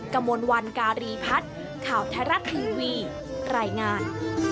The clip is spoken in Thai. กระมวลวันการีพัฒน์ข่าวไทยรัฐทีวีรายงาน